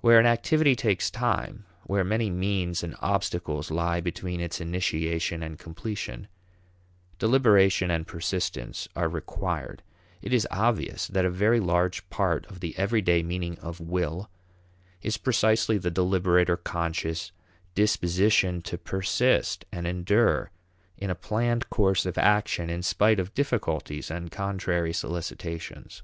Where an activity takes time, where many means and obstacles lie between its initiation and completion, deliberation and persistence are required. It is obvious that a very large part of the everyday meaning of will is precisely the deliberate or conscious disposition to persist and endure in a planned course of action in spite of difficulties and contrary solicitations.